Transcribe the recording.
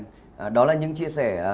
thật ra những chia sẻ